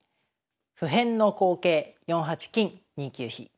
「不変の好形４八金・２九飛」。